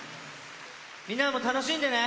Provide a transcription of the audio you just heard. みんなも楽しんでね。